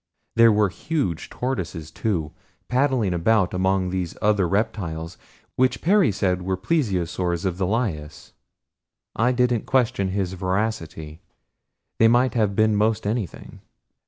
There were huge tortoises too, paddling about among these other reptiles, which Perry said were Plesiosaurs of the Lias. I didn't question his veracity they might have been most anything.